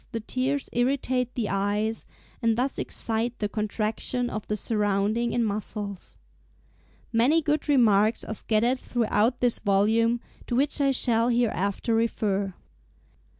103) the tears irritate the eyes, and thus excite the contraction of the surrounding in muscles. Many good remarks are scattered throughout this volume, to which I shall hereafter refer.